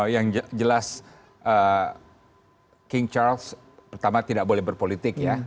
yang jelas king charles pertama tidak boleh berpolitik ya